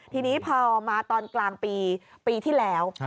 ทีนี้พอมาตอนกลางปีปีที่แล้ว